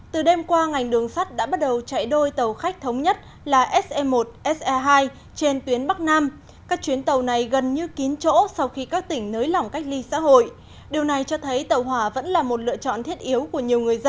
từ đêm qua ngành đường sắt đã bắt đầu chạy đôi tàu khách thống nhất là se một se hai trên tuyến bắc nam các chuyến tàu này gần như kín chỗ sau khi các tỉnh nới lỏng cách ly xã hội điều này cho thấy tàu hỏa vẫn là một lựa chọn thiết yếu của nhiều người dân